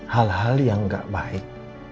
hal hal yang gak baik